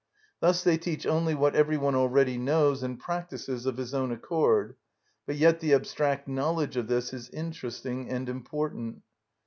Thus they teach only what every one already knows and practises of his own accord; but yet the abstract knowledge of this is interesting and important.